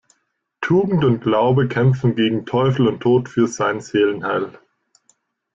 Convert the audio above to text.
Tugend und Glaube kämpfen gegen Teufel und Tod für sein Seelenheil.